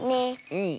うん。